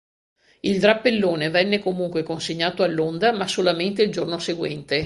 Il drappellone venne comunque consegnato all'Onda, ma solamente il giorno seguente.